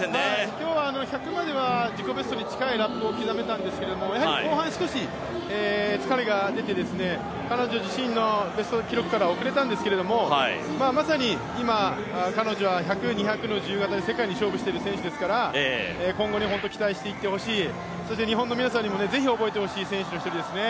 今日は１００までは自己ベストに近いラップを刻めたんですがやはり後半、少し疲れが出て彼女自身のベスト記録からは遅れたんですけどまさに今、彼女は１００、２００の自由形で世界に勝負している選手ですから今後に期待していってほしい、そして日本の皆さんにもぜひ覚えてほしい選手の１人ですね。